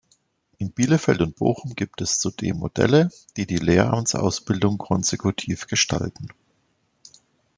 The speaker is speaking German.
In Bielefeld und Bochum gibt es zudem Modelle, die die Lehramtsausbildung konsekutiv gestalten.